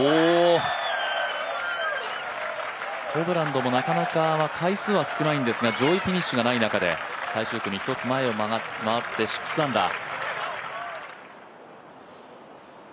ホブランドもなかなか、回数は少ないんですが、上位フィニッシュがない中で最終組１つ前を回って６アンダー。